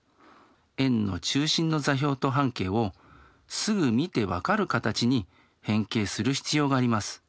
円の中心の座標と半径をすぐ見て分かる形に変形する必要があります。